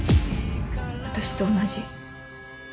私と同じ。